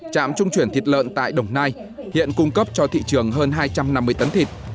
trạm trung chuyển thịt lợn tại đồng nai hiện cung cấp cho thị trường hơn hai trăm năm mươi tấn thịt